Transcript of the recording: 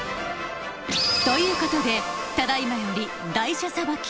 ということでただいまより台車さばき